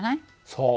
そう。